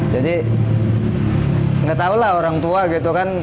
jadi nggak tahulah orang tua gitu kan